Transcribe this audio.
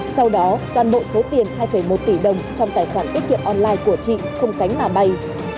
sau đó toàn bộ số tiền hai một tỷ đồng trong tài khoản tiết kiệm online của chị không cánh mà bay